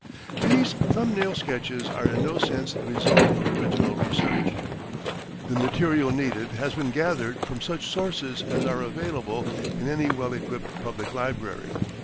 These thumb nail sketches are in no sense the result of original research. The material needed has been gathered from such sources as are available in any well equipped public library.